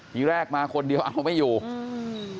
ทีแรกมาคนเดียวเอาไม่อยู่อืม